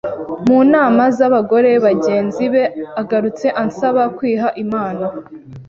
mu nama z’abagore bagenzi be agarutse ansaba kwiha Imana